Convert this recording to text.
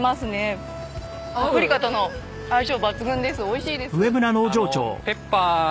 おいしいです。